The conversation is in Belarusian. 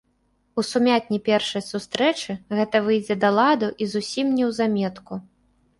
У сумятні першай сустрэчы гэта выйдзе да ладу і зусім неўзаметку.